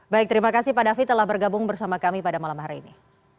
baik terima kasih pak david telah bergabung bersama kami pada malam hari ini